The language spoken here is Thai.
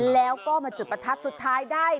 แล้วก็มาจุดประทัดสุดท้ายได้